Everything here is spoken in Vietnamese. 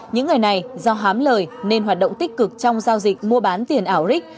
những người này do hám lời nên hoạt động tích cực trong giao dịch mua bán tiền ảo ric